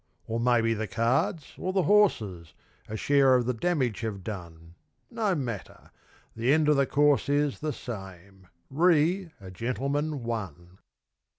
Or maybe the cards or the horses A share of the damage have done No matter; the end of the course is The same: "Re a Gentleman, One".